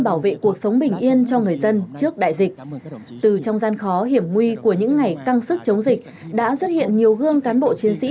bình yên cho người dân trước đại dịch từ trong gian khó hiểm nguy của những ngày căng sức chống dịch đã xuất hiện nhiều gương cán bộ chiến sĩ